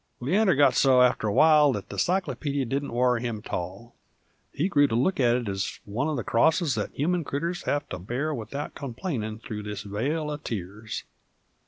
Leander got so after a while that the cyclopeedy didn't worry him at all: he grew to look at it ez one uv the crosses that human critters has to bear without complainin' through this vale uv tears.